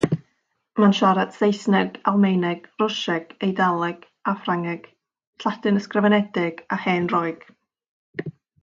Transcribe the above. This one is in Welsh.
Mae'n siarad: Saesneg, Almaeneg, Rwsieg, Eidaleg a Ffrangeg; Lladin ysgrifenedig a Hen Roeg.